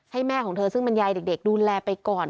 ให้แม่ของเธอซึ่งบรรยายเด็กดูแลไปก่อน